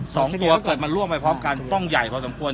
สองตัวมันร่วงเข้าไปพร้อมกันต้องใหญ่พอส่งควร